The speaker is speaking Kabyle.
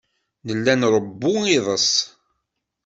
Nella nṛewwu iḍes.